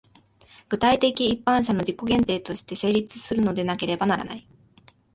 具体的一般者の自己限定として成立するのでなければならない。